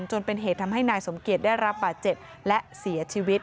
จนเป็นเหตุทำให้นายสมเกียจได้รับบาดเจ็บและเสียชีวิต